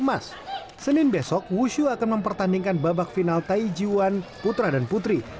mungkin besok wusu akan mempertandingkan babak final taijiwan putra dan putri